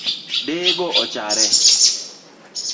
Deye go ochare